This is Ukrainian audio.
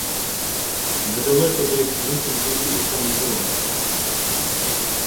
Недалеко десь мусить бути і сам Ворон.